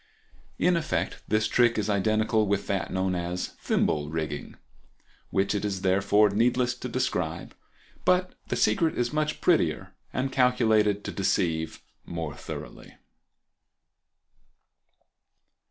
In effect this trick is identical with that known as "Thimble Rigging," which it is therefore needless to describe, but the secret is much prettier and calculated to deceive more thoroughly.